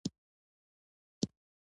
له حکومتي مقاماتو څخه یې غوښتنه وکړه